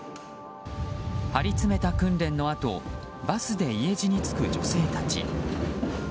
張り詰めた訓練のあとバスで家路に就く女性たち。